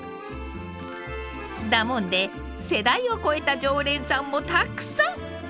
だもんで世代を超えた常連さんもたくさん。